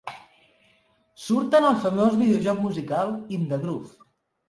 Surten al famós videojoc musical "In the Groove".